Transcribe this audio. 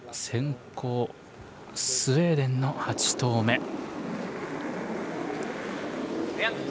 先攻、スウェーデンの８投目。